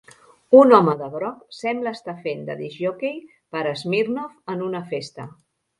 Un home de groc sembla estar fent de discjòquei per Smirnoff en una festa.